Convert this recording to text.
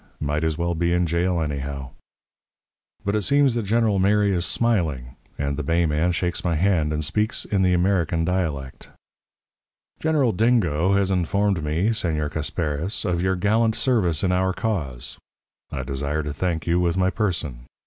Might as well be in jail, anyhow.' "But it seems that General Mary is smiling, and the bay man shakes my hand, and speaks in the American dialect. "'General Dingo has informed me, Señor Casparis, of your gallant service in our cause. I desire to thank you with my person.